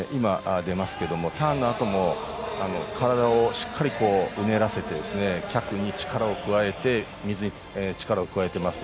ターンのあとも体をしっかりうねらせて脚に力を加えて水に力を加えています。